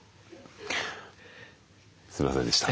すいませんでした。